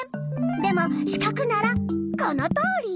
でもしかくならこのとおり！